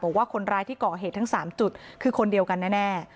บอกว่าคนร้ายที่ก่อเหตุทั้ง๓จุดคือคนเดียวกันแน่